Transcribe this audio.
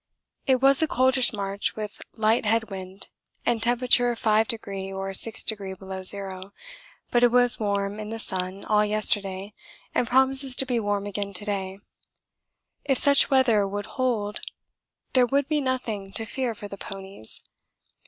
It was a coldish march with light head wind and temperature 5° or 6° below zero, but it was warm in the sun all yesterday and promises to be warm again to day. If such weather would hold there would be nothing to fear for the ponies.